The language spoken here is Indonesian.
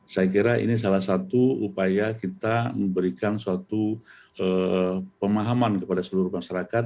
saya kira ini salah satu upaya kita memberikan suatu pemahaman kepada seluruh masyarakat